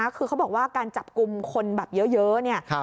คือเขาบอกว่าการจับกลุ่มคนเยอะ